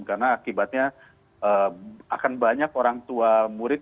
karena akibatnya akan banyak orang tua murid